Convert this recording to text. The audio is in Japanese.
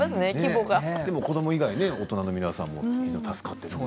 でも、子ども以外大人の皆さんも助かっている。